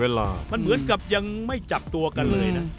เวลามันเหมือนกับยังไม่จับตัวกันเลยนะ